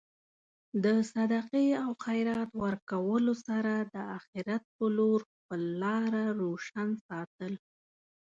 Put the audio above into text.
د صدقې او خیرات ورکولو سره د اخرت په لور خپل لاره روشن ساتل.